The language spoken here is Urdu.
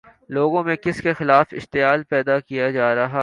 لوگوں میں کس کے خلاف اشتعال پیدا کیا جا رہا ہے؟